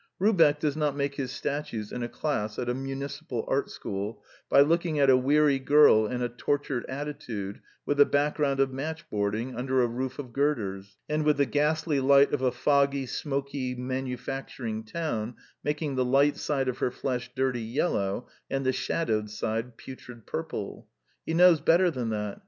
Rubeck does not make his statues in a class at a municipal art school by looking at a weary girl in a tortured attitude with a background of match boarding, under a roof of girders, and with the ghastly light of a foggy, smoky manufacturing town making the light side of her flesh dirty yellow and the shadowed side putrid purple. He knows better than that.